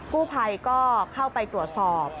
กู้ภัยก็เข้าไปตรวจสอบ